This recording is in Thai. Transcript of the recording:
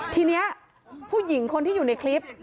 ทีนี้ผู้หญิงคนที่อยู่ในคลิป